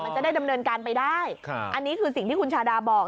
มันจะได้ดำเนินการไปได้อันนี้คือสิ่งที่คุณชาดาบอก